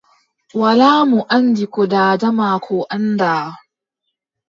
Walaa mo anndi ko daada maako anndaa.